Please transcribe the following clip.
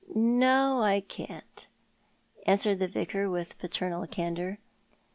" No, I can't," answered the Vicar, with paternal candour.